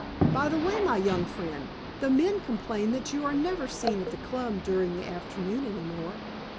By the way, my young friend, the men complain that you are never seen at the Club during the afternoon any more.